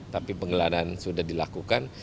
tapi pengeladaan sudah dilakukan